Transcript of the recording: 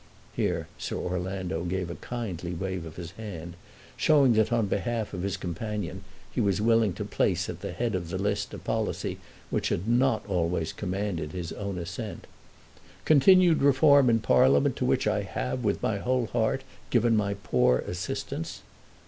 Here Sir Orlando gave a kindly wave of his hand, showing that on behalf of his companion he was willing to place at the head of the list a policy which had not always commanded his own assent; "continued reform in Parliament, to which I have, with my whole heart, given my poor assistance."